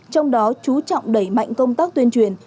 trong đó chú trọng đẩy mạnh công tác tuyên truyền